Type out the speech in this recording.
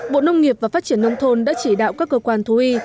bộ nông nghiệp và phát triển nông thôn đã chỉ đạo các cơ quan thú y